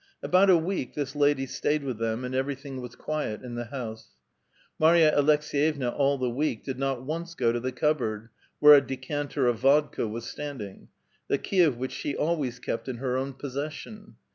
About a week this lady stayed with them, and everything was quiet in the house. Marya Aleks^yevna all the week did not once go to the cupboard (where a decanter of vodka was standing), the key of which she always kept in her own possesion.